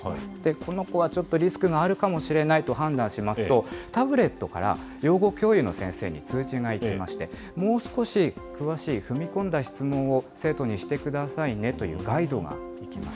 この子はちょっとリスクがあるかもしれないと判断しますと、タブレットから養護教諭の先生に通知が行きまして、もう少し詳しい、踏み込んだ質問を生徒にしてくださいねというガイドがきます。